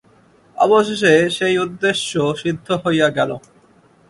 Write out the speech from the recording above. অবশেষে সেই উদ্দেশ্য সিদ্ধ হইয়া গেল।